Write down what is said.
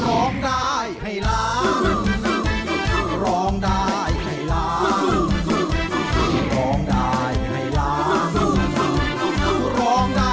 โอ้โห